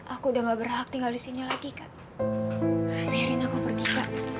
aku udah gak berhak tinggal di sini lagi kak biarin aku pergi kak